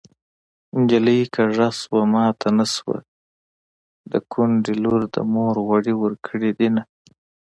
نجلۍ کږه شوه ماته نشته د کونډې لور ده مور غوړي ورکړې دينه